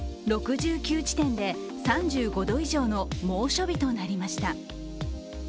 ６９地点で３５度以上の猛暑日となりました。